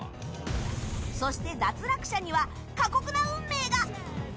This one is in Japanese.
そして脱落者には過酷な運命が。